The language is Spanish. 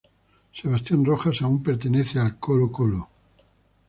Sebastián Rojas aún pertenece a Colo-Colo.